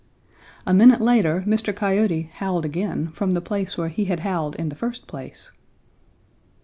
A minute later Mr. Coyote howled again from the place where he had howled in the first place.